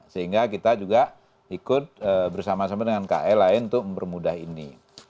sehingga kita juga ikut bersama sama dengan kl lain untuk mempermudah ini